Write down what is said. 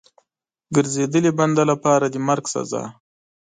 ګرځېدلي بنده لپاره د مرګ سزا.